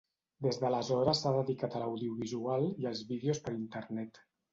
Des d'aleshores s'ha dedicat a l'audiovisual i als vídeos per Internet.